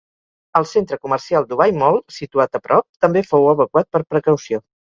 El centre comercial Dubai Mall, situat a prop, també fou evacuat per precaució.